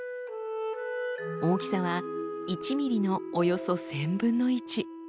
大きさは１ｍｍのおよそ１，０００分の１。